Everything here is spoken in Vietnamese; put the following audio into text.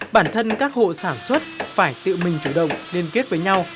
bản thân các hộ sản xuất phải tự mình chủ động liên kết với nhau